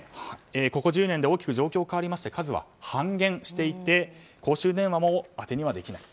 ここ１０年で大きく状況が変わりまして数は半減していて公衆電話もあてにはできない。